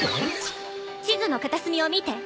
地図の片隅を見て。